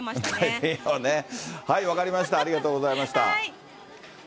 大変やわね、分かりました、ありがとうございました。